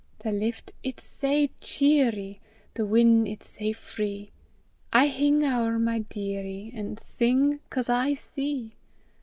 The lift it's sae cheerie! The win' it's sae free! I hing ower my dearie, An' sing 'cause I see.